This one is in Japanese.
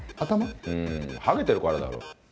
ハゲてるからだろ。